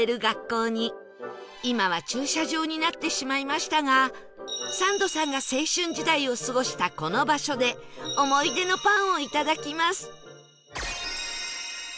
今は駐車場になってしまいましたがサンドさんが青春時代を過ごしたこの場所で思い出のパンをいただきます